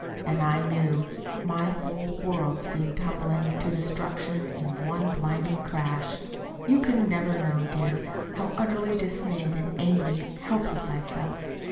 And I knew. My whole world seemed tumbling to destruction in one blinding crash. You can never know, dear, how utterly dismayed and angry and helpless I felt.